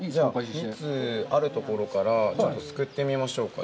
蜜、あるところから、ちょっとすくってみましょうか。